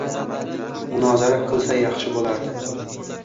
Munozara qilsa yaxshi bo‘lardi.